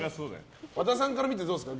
和田さんから見て、どうですか？